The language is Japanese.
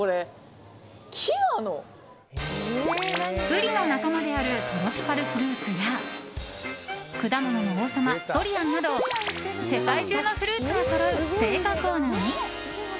ウリの仲間であるトロピカルフルーツや果物の王様ドリアンなど世界中のフルーツがそろう青果コーナーに。